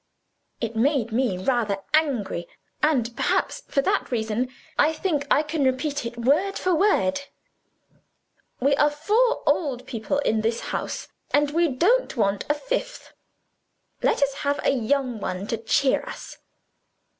It made me rather angry; and (perhaps for that reason) I think I can repeat it word for word: 'We are four old people in this house, and we don't want a fifth. Let us have a young one to cheer us.